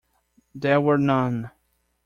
There were none.